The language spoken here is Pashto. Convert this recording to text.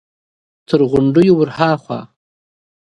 تر غونډيو ور هاخوا!